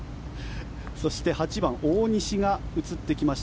そして、８番大西が映ってきました。